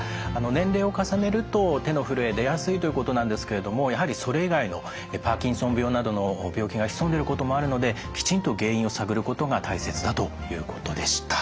年齢を重ねると手のふるえ出やすいということなんですけれどもやはりそれ以外のパーキンソン病などの病気が潜んでることもあるのできちんと原因を探ることが大切だということでした。